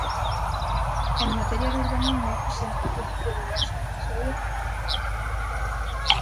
En materia de urbanismo, se han producido diversos episodios controvertidos.